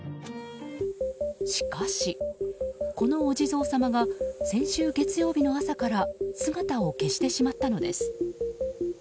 しかし、このお地蔵様が先週月曜日の朝から姿を消してしまったのです。